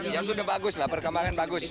ya sudah bagus lah perkembangan bagus